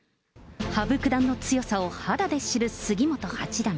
羽生九段の強さを肌で知る杉本八段。